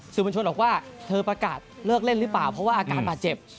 บัญชนบอกว่าเธอประกาศเลิกเล่นหรือเปล่าเพราะว่าอาการบาดเจ็บ